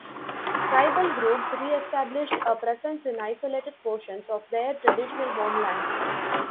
Tribal groups reestablished a presence in isolated portions of their traditional homelands.